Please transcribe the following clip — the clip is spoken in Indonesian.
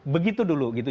begitu dulu gitu